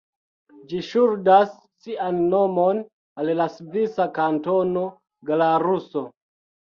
Ĝi ŝuldas sian nomon al la svisa kantono Glaruso.